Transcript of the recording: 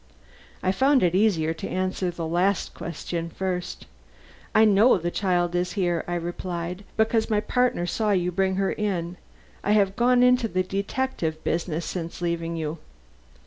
I found it easier to answer the last question first. "I know the child is here," I replied, "because my partner saw you bring her in. I have gone into the detective business since leaving you."